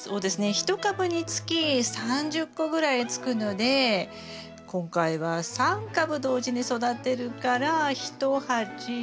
１株につき３０個ぐらいつくので今回は３株同時に育てるから１鉢。